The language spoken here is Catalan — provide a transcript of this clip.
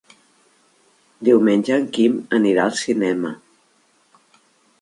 Diumenge en Quim anirà al cinema.